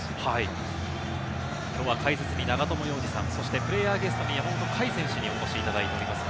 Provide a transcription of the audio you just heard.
きょうは解説に永友洋司さん、プレーヤーゲストに山本凱選手にお越しいただいています。